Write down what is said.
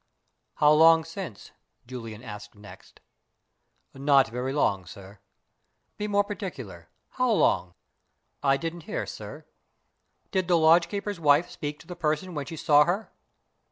"How long since?" Julian asked next. "Not very long, sir." "Be more particular. How long?" "I didn't hear, sir." "Did the lodge keeper's wife speak to the person when she saw her?"